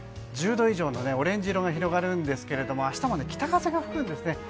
１０度以上のオレンジ色が広がるんですが明日も北風が吹くんですね。